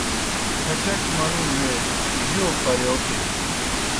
کھچٹوْ موڙے جو پرِیوتِن۔